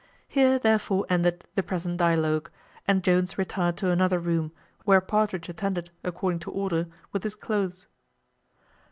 Here therefore ended the present dialogue, and Jones retired to another room, where Partridge attended, according to order, with his cloaths.